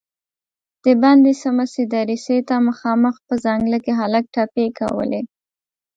د بندې سمڅې دريڅې ته مخامخ په ځنګله کې هلک ټپې کولې.